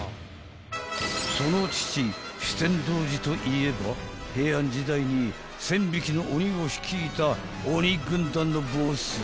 ［その父酒呑童子といえば平安時代に１，０００匹の鬼を率いた鬼軍団のボス］